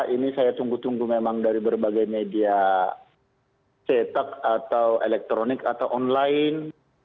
ini saya tunggu tunggu memang dari berbagai media cetak atau elektronik atau online